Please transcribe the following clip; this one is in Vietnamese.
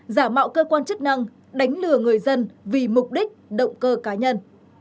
giả mạo cơ quan chức năng đánh lừa người dân vì mục đích động cơ cá nhân